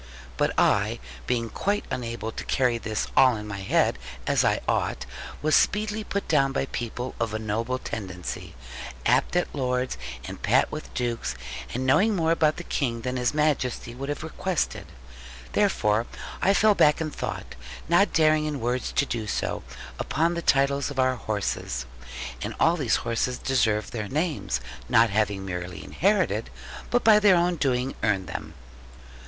But I, being quite unable to carry all this in my head, as I ought, was speedily put down by people of a noble tendency, apt at Lords, and pat with Dukes, and knowing more about the King than His Majesty would have requested. Therefore, I fell back in thought, not daring in words to do so, upon the titles of our horses. And all these horses deserved their names, not having merely inherited, but by their own doing earned them.